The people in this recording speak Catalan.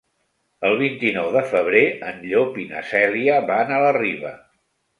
El vint-i-nou de febrer en Llop i na Cèlia van a la Riba.